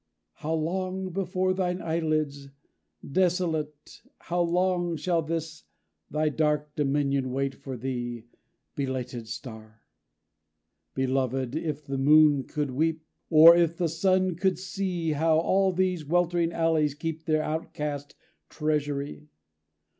How long, before thine eyelids, desolate, How long shall this thy dark dominion wait For thee, belated Star?' _Belovèd, if the Moon could weep, Or if the Sun could see How all these weltering alleys keep Their outcast treasury!